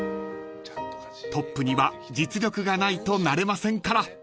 ［トップには実力がないとなれませんから］